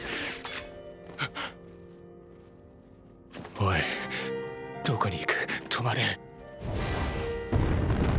オイどこに行く止まれ。